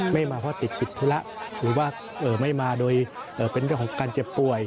ไม่มาเพราะติดปิดธุระหรือว่าไม่มาโดยเป็นเรื่องของการเจ็บป่วย